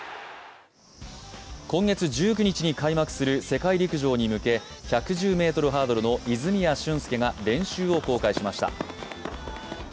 今月１９日に開幕する世界陸上に向け、１１０ｍハードルの泉谷駿介が練習を公開しました。